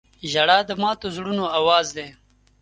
• ژړا د ماتو زړونو اواز دی.